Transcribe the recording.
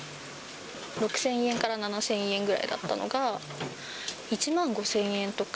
６０００円から７０００円ぐらいだったのが、１万５０００円とか。